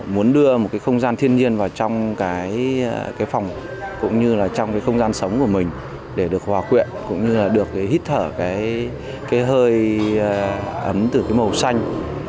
muốn đưa một không gian thiên nhiên vào trong phòng cũng như là trong không gian sống của mình để được hòa quyện cũng như là được hít thở hơi ấm từ màu xanh